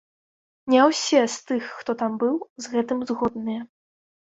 Не ўсе, з тых, хто там быў, з гэтым згодныя.